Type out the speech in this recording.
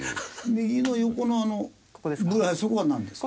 右の横のあのそこはなんですか？